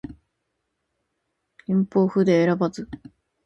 弘法筆を選ばず